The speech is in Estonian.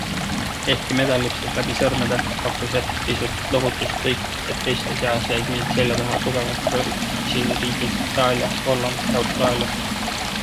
Ehkki medal lipsas läbi sõrmede, pakkus ehk pisut lohutust tõik, et teiste seas jäid meie selja taha tugevad krossiriigid Itaalia, Holland ja Austraalia.